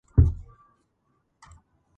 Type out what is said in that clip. უფრო მეტი სიკვდილი დაფიქსირდა გალისიაში.